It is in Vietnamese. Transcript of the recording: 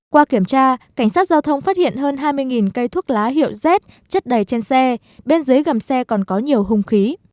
qua kiểm tra cảnh sát giao thông phát hiện hơn hai mươi cây thuốc lá hiệu z chất đầy trên xe bên dưới gầm xe còn có nhiều hùng khí